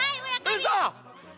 うそ！